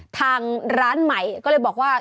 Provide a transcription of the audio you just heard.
ทางร้านใหม่ก็เลยบอกว่า